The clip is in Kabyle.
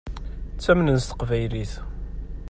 Ttamnen s teqbaylit.